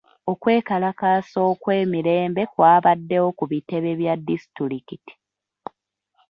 Okwekalakaasa okw'emirembe kwabaddewo ku bitebe bya disitulikiti.